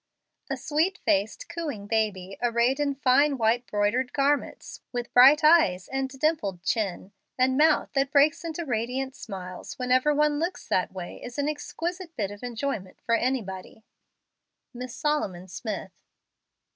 A sweet faced cooing baby, arrayed in fine white broidered garments, with bright eyes and dimpled chin, and mouth that breaks into radiant smiles whenever one looks that way, is an exquisite bit of enjoy¬ ment for anybody. Mrs. Solomon Smith.